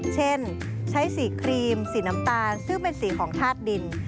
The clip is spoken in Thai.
เช่นใช้สีครีมสีน้ำตาลซึ่งเป็นสีของธาตุดิน